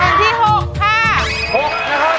๖นะครับ